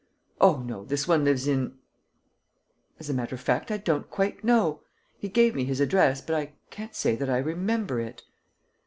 "Oh, no, this one lives in ... As a matter of fact, I don't quite know; he gave me his address, but I can't say that I remember it.